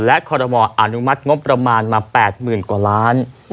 และคอรมออนุมัติงบประมาณมา๘๐๐๐กว่าล้าน